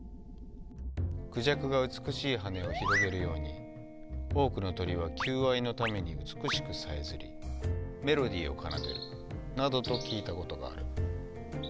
孔雀が美しい羽を広げるように多くの鳥は求愛のために美しくさえずりメロディーを奏でるなどと聞いたことがある。